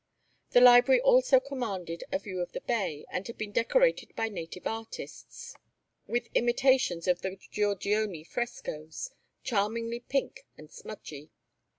The library also commanded a view of the bay and had been decorated by native artists with imitations of the Giorgione frescoes, charmingly pink and smudgy.